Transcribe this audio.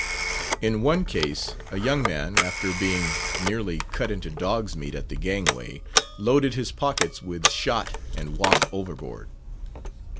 In one case, a young man, after being nearly cut into dog's meat at the gangway, loaded his pockets with shot and walked overboard.